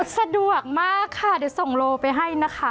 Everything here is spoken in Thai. สะดวกมากค่ะเดี๋ยวส่งโลไปให้นะคะ